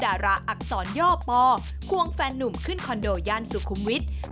ดาราอักษรย่อปอควงแฟนนุ่มขึ้นคอนโดย่านสุขุมวิทย์